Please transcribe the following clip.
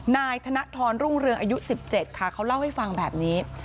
นายธนทรรุ่งเรืองอายุ๑๗ค่ะเขาเล่าให้ฟังแบบนี้